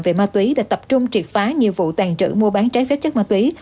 về ma túy đã tập trung triệt phá nhiều vụ tàn trữ mua bán trái phép chất ma túy